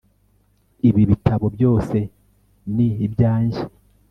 Ibi bitabo byose ni ibyanjye